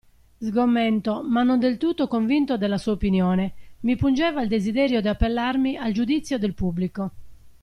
Sgomento, ma non del tutto convinto della sua opinione, mi pungeva il desiderio di appellarmi al giudizio del pubblico.